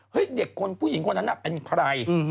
เด็กคนผู้หญิงคนนั้นน่ะเป็นใคร